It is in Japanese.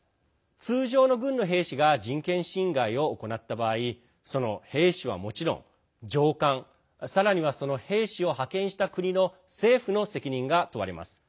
通常の軍の兵士が人権侵害を行った場合その兵士はもちろん、上官さらにはその兵士を派遣した国の政府の責任が問われます。